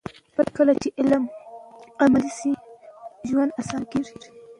کله چې علم عملي شي، ژوند اسانه شي.